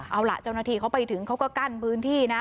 เอาล่ะเจ้าหน้าที่เขาไปถึงเขาก็กั้นพื้นที่นะ